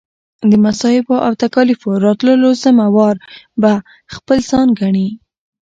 د مصائبو او تکاليفو راتللو ذمه وار به خپل ځان ګڼي